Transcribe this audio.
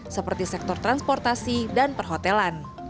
seperti sektor transportasi dan perhotelan